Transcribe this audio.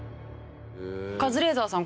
カズレーザーさん